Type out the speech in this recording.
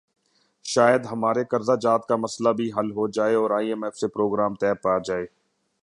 شاید ہمارے قرضہ جات کا مسئلہ بھی حل ہو جائے اور آئی ایم ایف سے پروگرام طے پا جائے۔